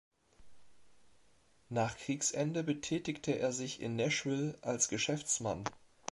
Nach Kriegsende betätigte er sich in Nashville als Geschäftsmann.